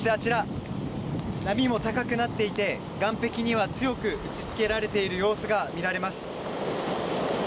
波も高くなっていて岸壁には強く打ちつけられている様子が見られます。